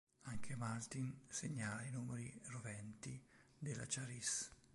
Anche Maltin segnala i numeri "roventi" della Charisse.